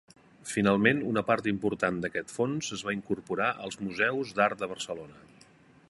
Finalment una part important d'aquest fons es va incorporar als Museus d'Art de Barcelona.